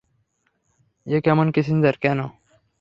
ও এমন কিসিঞ্জার কেন?